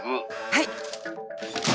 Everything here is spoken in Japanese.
はい。